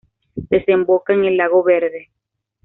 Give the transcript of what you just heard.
Desemboca en el lago Verde.